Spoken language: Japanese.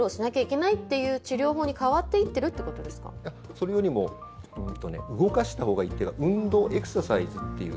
それよりも動かしたほうがいいというか運動、エクササイズという。